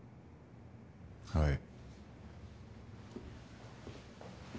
はい。